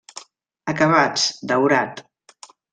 Acabats: daurat.